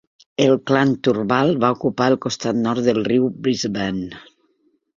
El clan Turrbal va ocupar el costat nord del riu Brisbane.